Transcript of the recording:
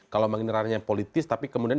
kalau mengiranya politis tapi kemudian